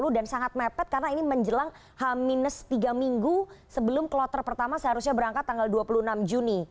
dan sangat mepet karena ini menjelang h tiga minggu sebelum kloter pertama seharusnya berangkat tanggal dua puluh enam juni